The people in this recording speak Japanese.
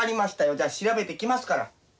じゃ調べてきますから。